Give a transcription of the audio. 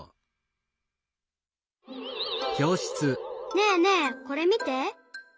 ねえねえこれみて。